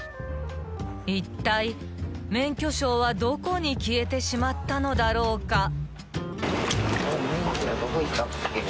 ［いったい免許証はどこに消えてしまったのだろうか］